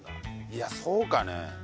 いやそうかね？